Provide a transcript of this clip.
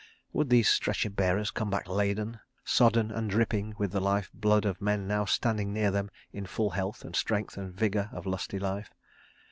... Would these stretcher bearers come back laden—sodden and dripping with the life blood of men now standing near them in full health and strength and vigour of lusty life?